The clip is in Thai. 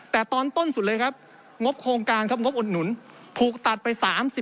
แต่ตอนต้นสุดเลยครับงบโครงการครับงบอุดหนุนถูกตัดไป๓๐